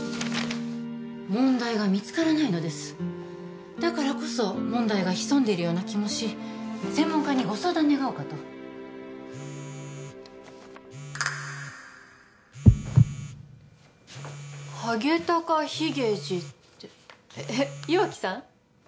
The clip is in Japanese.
問題が見つからないのですだからこそ問題が潜んでいるような気もし専門家にご相談願おうかとハゲタカヒゲ治ってえっ岩城さん？